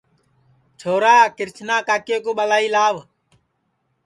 چھورا کرشنا کاکے کُو ٻلائی لاو